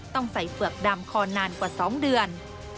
ต้องใส่เปลือกดำคอนานกว่า๒เดือน